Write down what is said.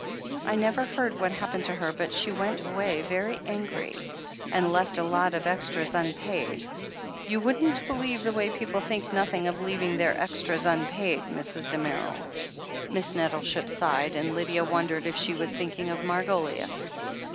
I never heard what happened to her, but she went away very angry, and left a lot of extras unpaid. You wouldn't believe the way people think nothing of leaving their extras unpaid, Mrs. Damerel." 448 THE HEEL OF ACHILLES Miss Nettleship sighed, and Lydia wondered if she was thinking of Margoliouth.